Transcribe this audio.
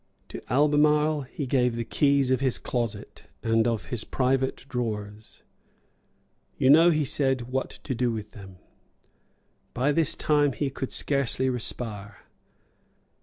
To Albemarle he gave the keys of his closet, and of his private drawers. "You know," he said, "what to do with them." By this time he could scarcely respire.